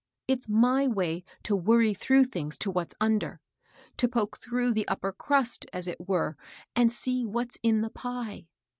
It's my way to worry through things to what's under, — to poke through the uj^r crust, as it were, and see what's in the pie.